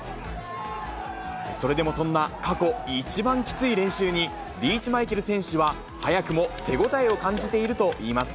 それでもそんな過去一番きつい練習に、リーチマイケル選手は早くも手応えを感じているといいます。